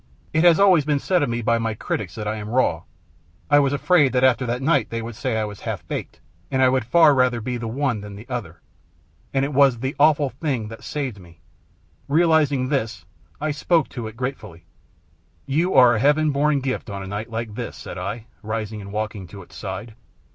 It has always been said of me by my critics that I am raw; I was afraid that after that night they would say I was half baked, and I would far rather be the one than the other; and it was the Awful Thing that saved me. Realizing this, I spoke to it gratefully. "You are a heaven born gift on a night like this," said I, rising up and walking to its side.